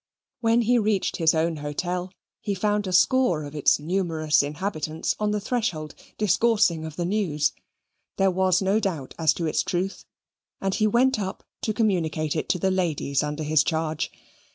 When he reached his own hotel, he found a score of its numerous inhabitants on the threshold discoursing of the news; there was no doubt as to its truth. And he went up to communicate it to the ladies under his charge.